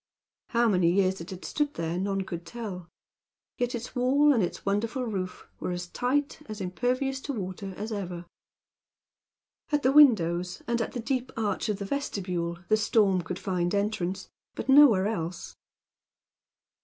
How many years it had stood there, none could tell; yet its wall, and its wonderful roof, were as tight, as impervious to water, as ever. At the open windows, and at the deep arch of the vestibule, the storm could find entrance; but nowhere else.